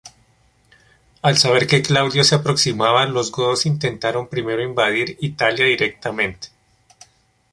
Al saber que Claudio se aproximaba, los godos intentaron primero invadir Italia directamente.